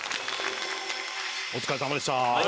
お疲れさまでした。